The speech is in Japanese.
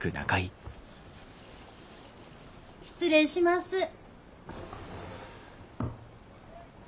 失礼します。